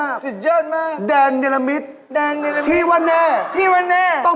เข้าวัดไปดูภาระอะไร